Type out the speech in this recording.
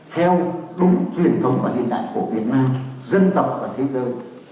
theo đúng truyền thống và hiện đại của việt nam dân tộc và thế giới